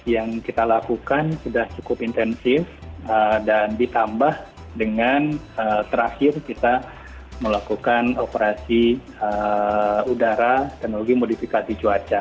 yang kita lakukan sudah cukup intensif dan ditambah dengan terakhir kita melakukan operasi udara teknologi modifikasi cuaca